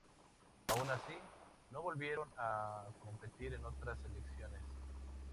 Aun así, no volvieron a competir en otras elecciones.